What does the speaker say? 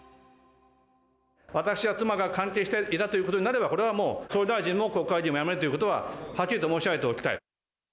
私や妻が関係していたということになれば、これはもう総理大臣も国会議員も辞めるということは、はっきりと申し上げておきたい。